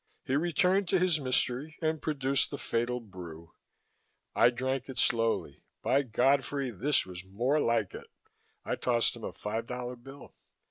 He returned to his mystery and produced the fatal brew. I drank it slowly. By Godfrey! this was more like it. I tossed him a five dollar bill.